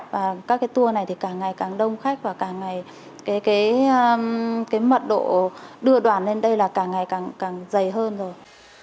và các cái tour này thì càng ngày càng đông khách và càng ngày cái mật độ đưa đoàn lên đây là càng ngày càng càng dày hơn rồi